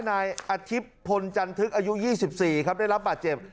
นายอาทิตย์พลจันทึกอายุ๒๔ครับได้รับบาดเจ็บ